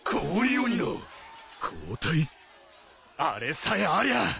あれさえありゃ。